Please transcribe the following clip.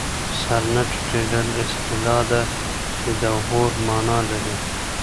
سر نه ټیټېدل اصطلاح ده چې د غرور مانا لري